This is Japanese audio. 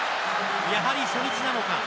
やはり初日なのか。